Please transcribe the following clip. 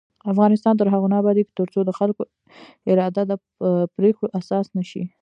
افغانستان تر هغو نه ابادیږي، ترڅو د خلکو اراده د پریکړو اساس نشي.